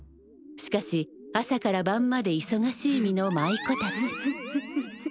しかし朝から晩までいそがしい身の舞妓たち。